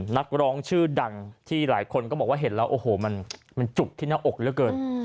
นักร้องชื่อดังที่หลายคนก็บอกว่าเห็นแล้วโอ้โหมันจุกที่หน้าอกเหลือเกิน